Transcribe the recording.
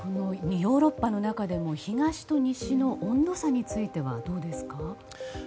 ヨーロッパの中でも東と西の温度差については、どうですか。